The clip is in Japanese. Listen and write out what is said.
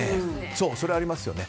それはありますね。